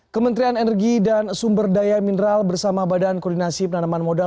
kementerian energi dan sumber daya mineral bersama badan koordinasi penanaman modal